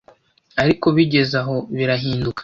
ariko bigeze aho birahinduka